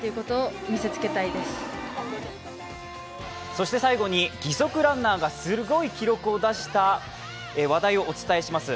そして最後に義足ランナーがすごい記録を出した話題をお伝えします。